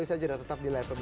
bisa juga tetap di live